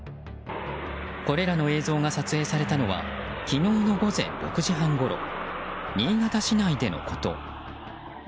これらの映像が撮影されたのは昨日の午前６時半ごろ新潟市内でのこと。